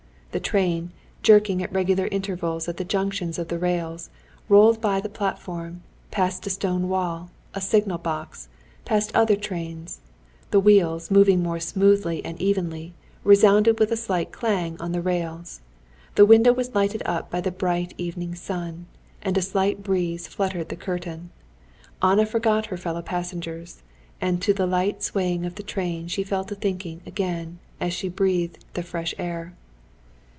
The train, jerking at regular intervals at the junctions of the rails, rolled by the platform, past a stone wall, a signal box, past other trains; the wheels, moving more smoothly and evenly, resounded with a slight clang on the rails. The window was lighted up by the bright evening sun, and a slight breeze fluttered the curtain. Anna forgot her fellow passengers, and to the light swaying of the train she fell to thinking again, as she breathed the fresh air.